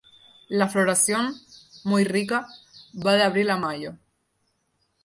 La floración, muy rica, va de abril a mayo.